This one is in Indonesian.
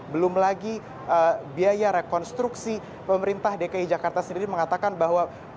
belum lagi biaya rekonstruksi pemerintah dki jakarta sendiri mengatakan bahwa